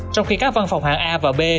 trong khi các văn phòng hàng a và b